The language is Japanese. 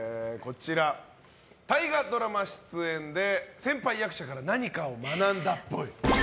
大河ドラマ出演で先輩役者から何かを学んだっぽい。